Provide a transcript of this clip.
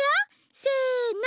せの！